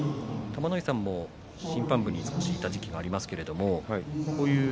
玉ノ井さんも審判部に少しいた時期もありますね。